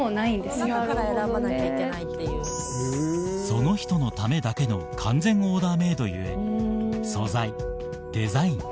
その人のためだけの完全オーダーメードゆえ素材デザイン